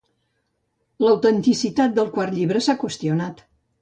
L'autenticitat del quart llibre s'ha qüestionat.